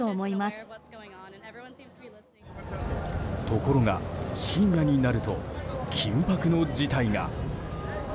ところが深夜になると、緊迫の事態が。